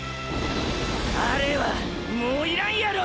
あれはもう要らんやろ！！